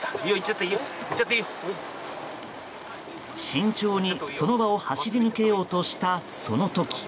慎重にその場を走り抜けようとした、その時。